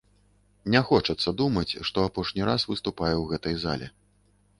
Не хочацца думаць, што апошні раз выступаю ў гэтай зале.